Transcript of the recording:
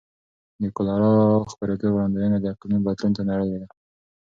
د کولرا خپرېدو وړاندوینه د اقلیم بدلون ته تړلې ده.